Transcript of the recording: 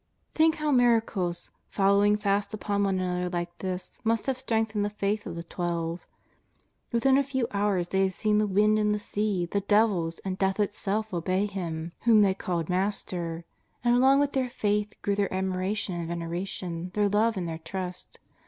Think how miracles, following fast upon one another like this, must have strengthened the faith of the Twelve. Within a few hours they had seen the wind and the sea, the devils, and death itself obey Him whom JESUS OF N^AZARETH. 231 the J called " Master." And along with their faith grew their admiration and veneration, their love and their trust.